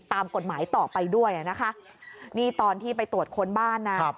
ตามกฎหมายต่อไปด้วยนะคะนี่ตอนที่ไปตรวจค้นบ้านนะ